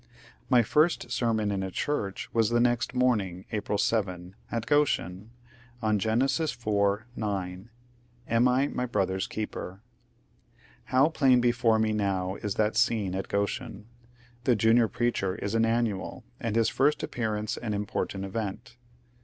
My first sermon in a church was the next morning, April 7, at " Goshen," on Gen. iv, 9, " Am I my brother's keeper ?" How plain before me now is that scene at Goshen ! The junior preacher is an annual, and his first appearance an im portant event.